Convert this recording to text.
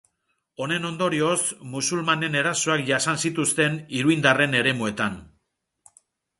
Honen ondorioz, musulmanen erasoak jasan zituzten iruindarren eremuetan.